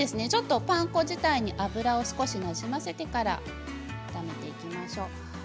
パン粉自体に油自体をなじませてから火をつけていきましょう。